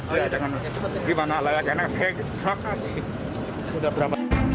gimana layaknya anak saya terima kasih